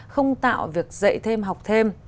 không tạo việc dạy thêm học thêm